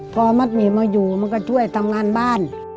พอมัดหมี่มาอยู่มันก็ช่วยทำงานบ้าน